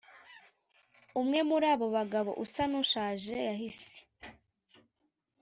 umwe muri abo bagabo usa n’ushaje yahse